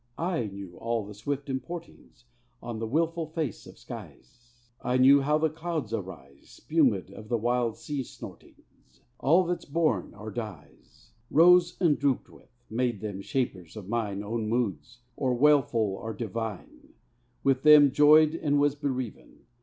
I knew all the swift importings On the wilful face of skies; I knew how the clouds arise Spumèd of the wild sea snortings; All that's born or dies Rose and drooped with made them shapers Of mine own moods, or wailful or divine With them joyed and was bereaven.